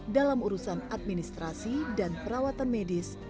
dalam urusan administrasi dan perawatan medis